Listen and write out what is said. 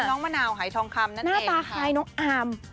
ที่น้องมะนาวไหยทองคำนั่นเองหน้าตาคล้ายน้องอาร์ม